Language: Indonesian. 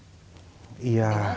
penting banget ya